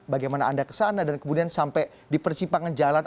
bagaimana anda kesana dan kemudian sampai di persimpangan jalan